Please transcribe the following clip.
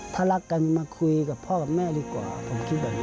ถ้ารักกันมาคุยกับพ่อกับแม่ดีกว่าผมคิดแบบนี้